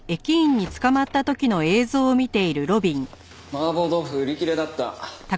麻婆豆腐売り切れだった。